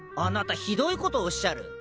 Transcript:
あなたひどいことおっしゃる。